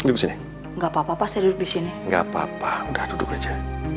nggak papa papa saya duduk di sini nggak papa udah duduk aja